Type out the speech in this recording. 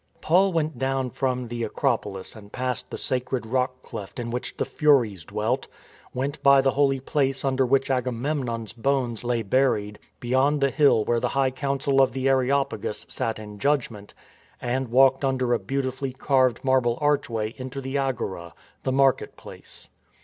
Paul went down from the Acropolis and passed the sacred rock cleft in which the Furies dwelt; went by the holy place under which Agamemnon's bones lay buried, beyond the hill where the High Council of the Areopagus sat in judgment; and walked under a beautifully carved marble archway into the Agora — the market place.